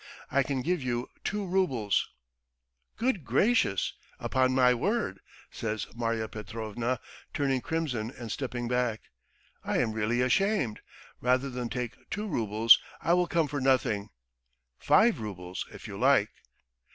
I can give you two roubles." "Good gracious! ... Upon my word! ..." says Marya Petrovna, turning crimson and stepping back. "I am really ashamed. Rather than take two roubles I will come for nothing .... Five roubles, if you like."